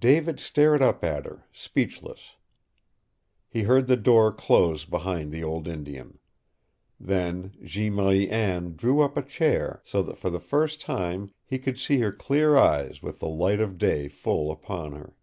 David stared up at her, speechless. He heard the door close behind the old Indian. Then Jeanne Marie Anne drew up a chair, so that for the first time he could see her clear eyes with the light of day full upon her.